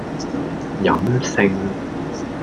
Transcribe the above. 飲勝